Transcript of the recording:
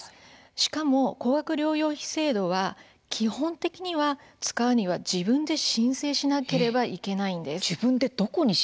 しかも高額療養費制度は基本的には使う人は自分自身で申請しなければいけないんです。